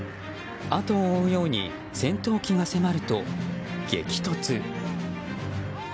後を追うように戦闘機が迫ると激突。